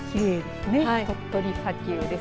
鳥取砂丘です。